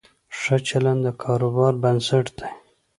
ښه چلند د کاروبار بنسټ دی.